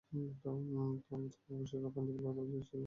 তার পূর্বপুরুষেরা পাঞ্জাবের লাহোরের অধিবাসী ছিলেন।